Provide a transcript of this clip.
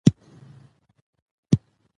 لومړی عمر ته ورغی، هغه ورته وویل: